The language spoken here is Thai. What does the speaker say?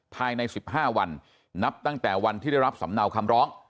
ภายใน๑๕วันนับตั้งแต่วันที่ได้รับสำเนาคำร้อง